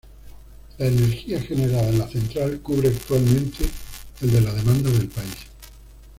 La energía generada en la central cubre actualmente el de la demanda del país.